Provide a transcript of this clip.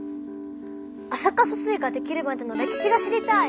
安積疏水ができるまでの歴史が知りたい！